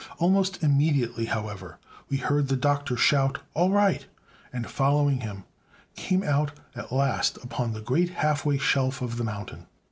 Almost immediately, however, we heard the Doctor shout "All right," and, following him, came out at last upon the great halfway shelf of the mountain.